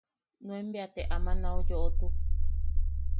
Nuen bea te ama nau yoʼotuk.